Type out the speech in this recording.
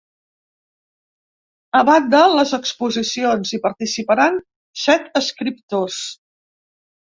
A banda les exposicions, hi participaran set escriptors.